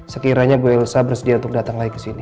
sekiranya bu ilsa bersedia untuk datang lagi kesini